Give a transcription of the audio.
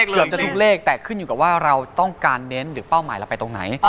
เกือบจะถูกเลขแต่ขึ้นอยู่กับว่าเราต้องการเน้นหรือเป้าหมายเราไปตรงไหน